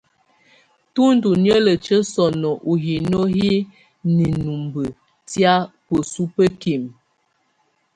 Tù ndù niǝlǝtiǝ́ sɔnɔ ú hino hi ninumbǝ tɛ̀á bǝsuǝ bǝkimǝ.